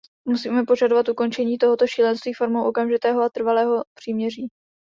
Musíme požadovat ukončení tohoto šílenství formou okamžitého a trvalého příměří.